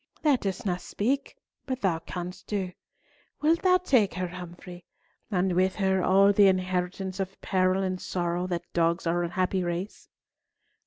"Thou dost not speak, but thou canst do. Wilt thou take her, Humfrey, and with her, all the inheritance of peril and sorrow that dogs our unhappy race?"